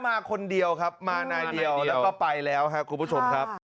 มาคนเดียวครับมานายเดียวแล้วก็ไปแล้วครับคุณผู้ชมครับ